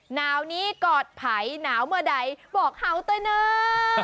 หนาวนี้กอดไผ่หนาวเมื่อใดบอกเหาะต่อเนอร์